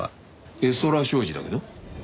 江空商事だけど。